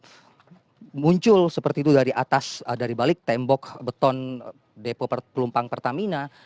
ini muncul seperti itu dari atas dari balik tembok beton depo pelumpang pertamina